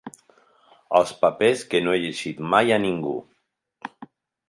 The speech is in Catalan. Els papers que no he llegit mai a ningú